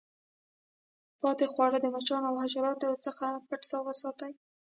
پاته خواړه د مچانو او حشراتو څخه پټ وساتئ.